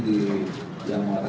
di jamu atas